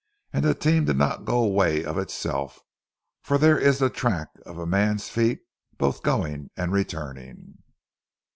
And the team did not go away of itself, for there is the track of a man's feet, both going and returning."